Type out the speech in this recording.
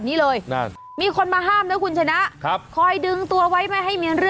ตอนหายพาลด้วยขาวที่ลิ่ม